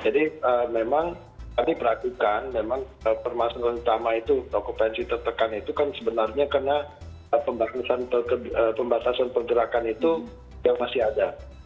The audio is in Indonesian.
jadi memang tadi perhatikan memang permasalahan utama itu okupansi tertekan itu kan sebenarnya karena pembatasan pergerakan itu masih ada